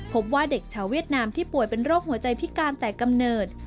พบว่าเด็กชาวเวียดนามที่ป่วยเป็นโรคหัวใจพิการแต่กำเนิด